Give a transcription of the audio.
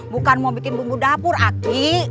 bukan mau bikin bumbu dapur aki